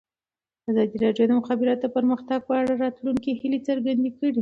ازادي راډیو د د مخابراتو پرمختګ په اړه د راتلونکي هیلې څرګندې کړې.